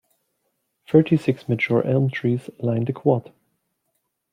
Thirty-six mature elm trees line the Quad.